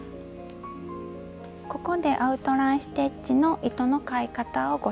ここでアウトライン・ステッチの糸のかえ方をご紹介します。